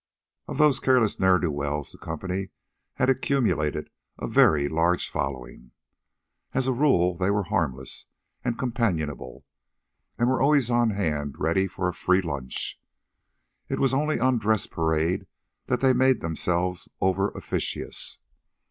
Of those careless ne'er do wells the company had accumulated a very large following. As a rule, they were harmless and companionable, and were always on hand ready for a free lunch. It was only on dress parade that they made themselves over officious.